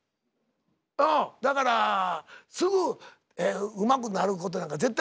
うんだからすぐうまくなることなんか絶対ないし。